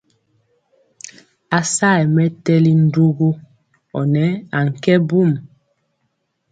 A sayɛ mɛtɛli ndugu ɔ nɛ ankɛ mbum.